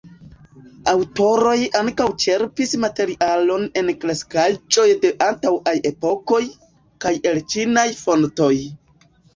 Aŭtoroj ankaŭ ĉerpis materialon el klasikaĵoj de antaŭaj epokoj, kaj el ĉinaj fontoj.